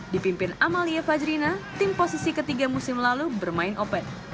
dipimpin amalia fajrina tim posisi ketiga musim lalu bermain open